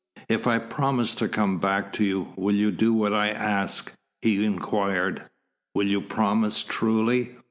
"If I promise to come back to you, will you do what I ask?" he inquired. "Will you promise truly?"